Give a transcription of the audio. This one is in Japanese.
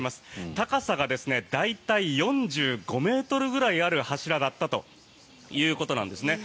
高さが大体４５ｍくらいある柱だったということなんです。